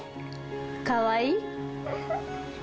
かわいい？